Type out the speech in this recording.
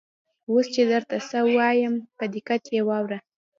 اوس چې درته څه وایم په دقت یې واوره.